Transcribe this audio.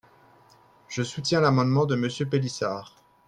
Je soutiens l’amendement de Monsieur Pélissard.